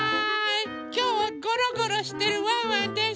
きょうはゴロゴロしてるワンワンです。